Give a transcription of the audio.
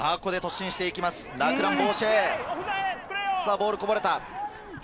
ボールがこぼれた。